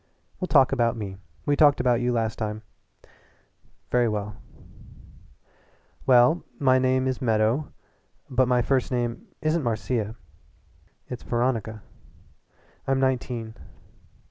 "We'll talk about me. We talked about you last time." "Very well." "Well, my name really is Meadow, but my first name isn't Marcia it's Veronica. I'm nineteen.